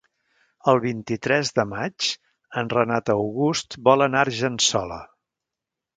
El vint-i-tres de maig en Renat August vol anar a Argençola.